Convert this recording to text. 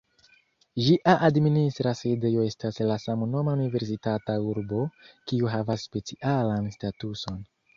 Ĝia administra sidejo estas la samnoma universitata urbo, kiu havas specialan statuson.